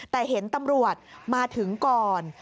แต่เห็นตำรวจมาถึงก่อน